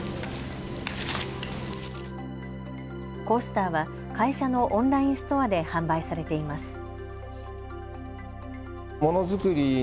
コースターは会社のオンラインストアで販売されています。